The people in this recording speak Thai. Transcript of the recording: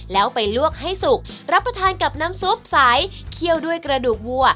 แล้วไปลวกให้สุกรับประทานกับน้ำซุปใสเคี่ยวด้วยกระดูกวัว